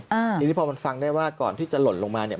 ทีนี้พอมันฟังได้ว่าก่อนที่จะหล่นลงมาเนี่ย